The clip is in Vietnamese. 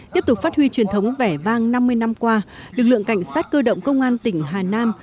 tiếp tục phát huy truyền thống vẻ vang năm mươi năm qua lực lượng cảnh sát cơ động công an tỉnh hà nam